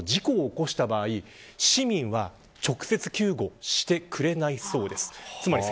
専用車両の事故を起こした場合市民は直接救護してくれないそうです。